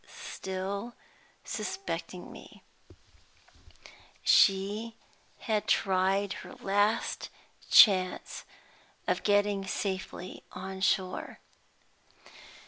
Still suspecting me, she had tried her last chance of getting safely on shore.